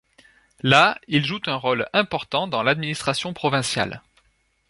Là, ils jouent un rôle important dans l'administration provinciale.